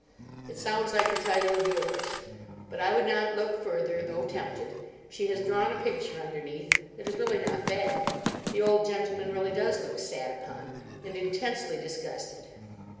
It sounds like a title of yours. But I would not look further, though tempted. She has drawn a picture underneath. It is really not bad. The old gentleman really does look sat upon, and intensely disgusted.